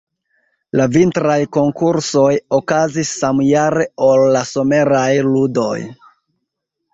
La vintraj konkursoj okazis samjare ol la someraj ludoj.